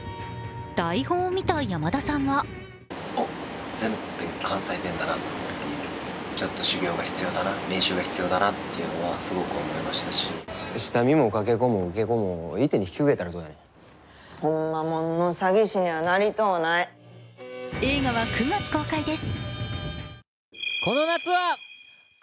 台本を見た山田さんは映画は９月公開です。